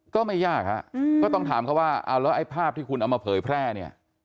ก็ไม่ยากฮะก็ต้องถามเขาว่าเอาแล้วไอ้ภาพที่คุณเอามาเผยแพร่เนี่ย